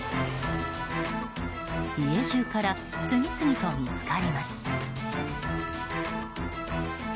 家中から次々と見つかります。